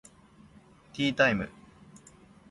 ティータイム